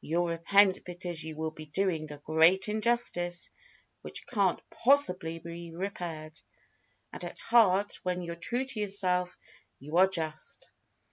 You'll repent because you will be doing a great injustice which can't possibly be repaired. And at heart, when you're true to yourself, you are just."